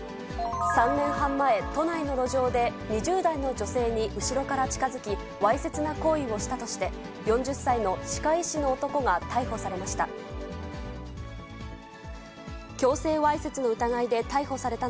３年半前、都内の路上で２０代の女性に後ろから近づき、わいせつな行為をしたとして、４０歳の歯科医師の男が逮捕されました。